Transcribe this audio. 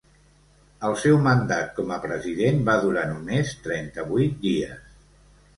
El seu mandat com a president va durar només trenta-vuit dies.